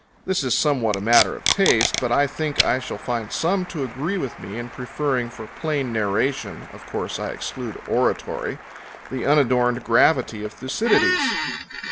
This is somewhat a matter of taste, but I think I shall find some to agree with me in preferring for plain narration (of course I exclude oratory) the unadorned gravity of Thucydides.